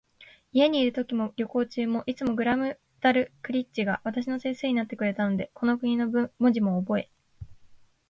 家にいるときも、旅行中も、いつもグラムダルクリッチが私の先生になってくれたので、この国の文字もおぼえ、